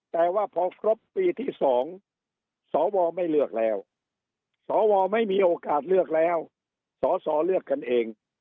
แต่ว่าพอครบปีที่๒สวไม่เลือกแล้วสวไม่มีโอกาสเลือกแล้วสสเลือกกันเอง